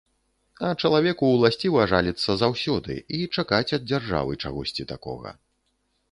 А чалавеку ўласціва жаліцца заўсёды і чакаць ад дзяржавы чагосьці такога.